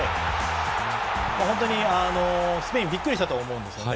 本当にスペインびっくりしたと思うんですよね。